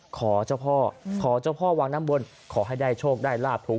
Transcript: ขอเจ้าพ่อวางน้ำบ้นขอให้ได้โชคได้ลาบถูก